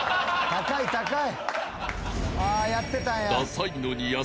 高い高い！